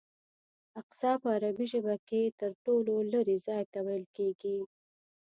اقصی په عربي ژبه کې تر ټولو لرې ځای ته ویل کېږي.